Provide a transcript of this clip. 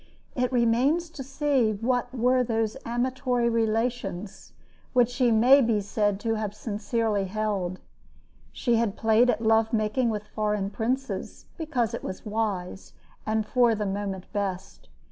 It remains to see what were those amatory relations which she may be said to have sincerely held. She had played at love making with foreign princes, because it was wise and, for the moment, best.